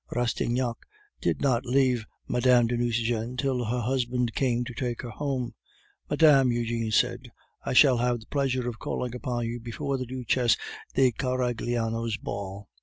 Rastignac did not leave Mme. de Nucingen till her husband came to take her home. "Madame," Eugene said, "I shall have the pleasure of calling upon you before the Duchesse de Carigliano's ball."